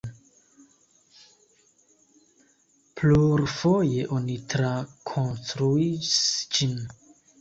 Plurfoje oni trakonstruis ĝin.